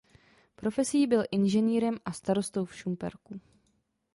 Profesí byl inženýrem a starostou v Šumperku.